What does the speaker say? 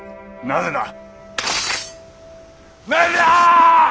なぜだ！